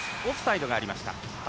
オフサイドがありました。